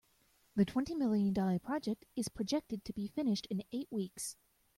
The twenty million dollar project is projected to be finished in eight weeks.